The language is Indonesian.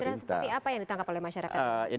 citra seperti apa yang ditangkap oleh masyarakat